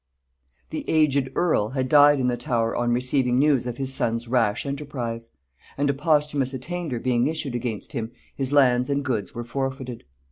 The aged earl had died in the Tower on receiving news of his son's rash enterprise; and a posthumous attainder being issued against him, his lands and goods were forfeited.